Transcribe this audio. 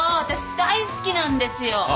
私大好きなんですよ！